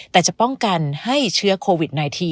แต่จะป้องกันให้เชื้อโควิด๑๙